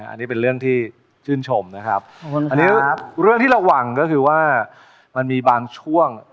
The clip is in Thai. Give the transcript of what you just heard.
อันนี้เป็นเรื่องที่ชื่นชมนะครับอันนี้เรื่องที่ระวังก็คือว่ามันมีบางช่วง